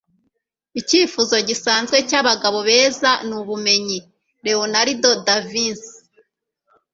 icyifuzo gisanzwe cy'abagabo beza ni ubumenyi. - leonardo da vinci